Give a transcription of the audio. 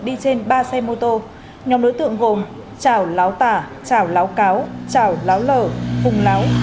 đi trên ba xe mô tô nhóm đối tượng gồm chảo láo tả chảo láo cáo trào láo lở thùng láo